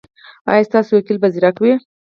ایا ستاسو وکیل به زیرک وي؟